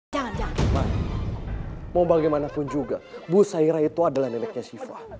jangan jangan mau bagaimanapun juga bu sairah itu adalah nelepnya siva